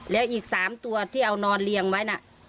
แล้วอีก๓ตัวที่เอานอนเรียงไว้นะ